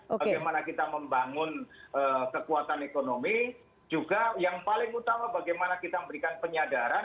bagaimana kita membangun kekuatan ekonomi juga yang paling utama bagaimana kita memberikan penyadaran